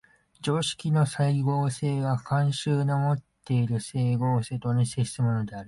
常識の斉合性は慣習のもっている斉合性と同じ性質のものである。